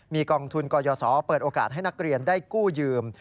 มีกองทุนกรยศเปิดโอกาสให้นักเรียนได้กู้ยืม